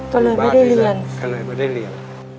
ก็เลยไม่ได้เรียน